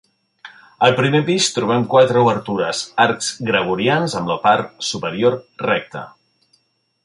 Al primer pis trobem quatre obertures, arcs georgians amb la part superior recte.